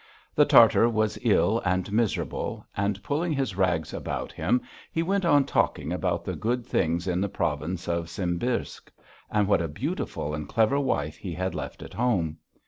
The Tartar was ill and miserable, and, pulling his rags about him, he went on talking about the good things in the province of Simbirsk, and what a beautiful and clever wife he had left at home.